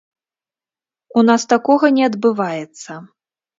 У нас такога не адбываецца.